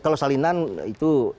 kalau salinan itu